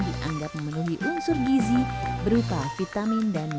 dianggap memenuhi unsur gizi berupa vitamin dan mini